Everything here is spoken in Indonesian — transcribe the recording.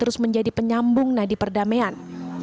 terus menjadi penyambung nadi perdamaian